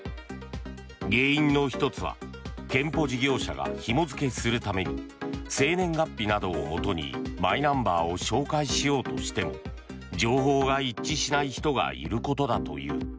原因の１つは健保事業者がひも付けするために生年月日などをもとにマイナンバーを照会しようとしても情報が一致しない人がいることだという。